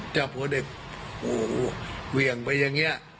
จับหัวเด็กโอ้โหเหวี่ยงไปอย่างนี้